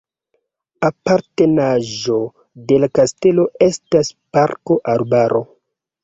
Apartenaĵo de la kastelo estas parko-arbaro.